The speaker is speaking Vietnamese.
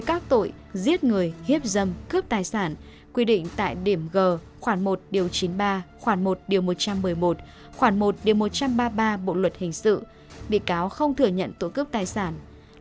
năm năm tù với tội hiếp dâm và bốn năm tù cho tội cướp tài sản